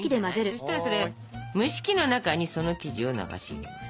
そしたらそれ蒸し器の中にその生地を流し入れます。